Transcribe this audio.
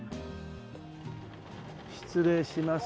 失礼します。